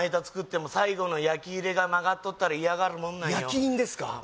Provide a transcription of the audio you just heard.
作っても最後の焼き入れが曲がっとったら嫌がるもんなんよ焼き印ですか？